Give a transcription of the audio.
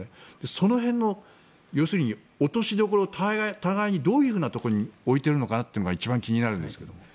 その辺の落としどころ互いにどういうところに置いているのかが一番気になるんですけど。